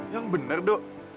yang bener dok